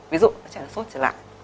ví dụ đứa trẻ nó sốt trở lại